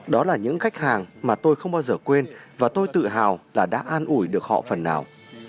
đó là những khách hàng mà tôi không bao giờ quên và tôi tự hào là đã an ủi được họ phần nào